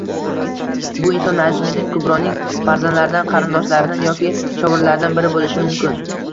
Bu inson Najmiddin Kubroning farzandlaridan, qarindoshlaridan yoki shogirdlaridan biri boʻlishi mumkin